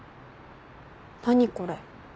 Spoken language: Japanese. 何これ？